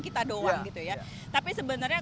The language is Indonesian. kita doang gitu ya tapi sebenarnya